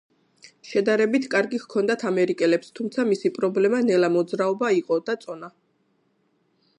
შედარებით კარგი ჰქონდათ ამერიკელებს თუმცა მისი პრობლემა ნელა მოძრაობა იყო და წონა.